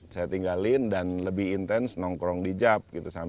saya tinggalin dan lebih intens nongkrong di jap